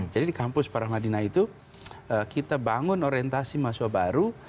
jadi di kampus parah madinah itu kita bangun orientasi mahasiswa baru